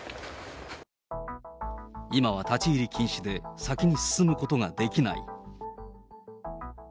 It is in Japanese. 今は立ち入り禁止で、先に進むことができない。